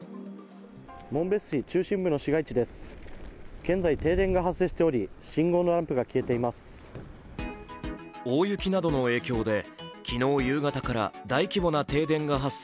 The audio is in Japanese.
紋別市中心部の市街地です。